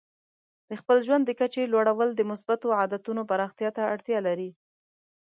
د خپل ژوند د کچې لوړول د مثبتو عادتونو پراختیا ته اړتیا لري.